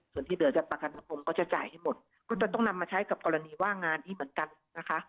ส่วนที่เหลือจะประกันสังคมก็จะจ่ายให้หมดก็จะต้องนำมาใช้กับกรณีว่างงานนี้เหมือนกันนะคะ